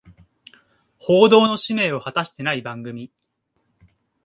報道の使命を果たしてない番組